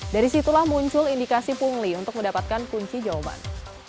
dari situlah muncul indikasi pungli untuk mendapatkan kunci jawaban